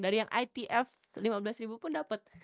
dari yang itf lima belas pun dapet